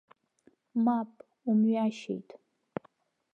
Мап, умҩашьеит!